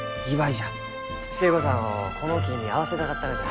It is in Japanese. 寿恵子さんをこの木に会わせたかったがじゃ。